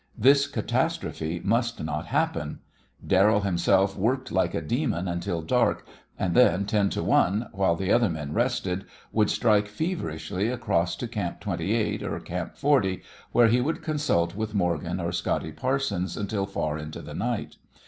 This catastrophe must not happen. Darrell himself worked like a demon until dark, and then, ten to one, while the other men rested, would strike feverishly across to Camp Twenty eight or Camp Forty, where he would consult with Morgan or Scotty Parsons until far into the night.